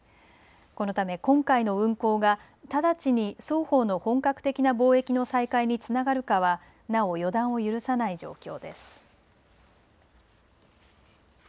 このため今回の運行が直ちに双方の本格的な貿易の再開につながるかは、なお予断を許さない状況です。